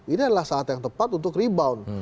ini adalah saat yang tepat untuk rebound